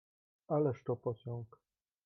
"Ależ to pociąg!"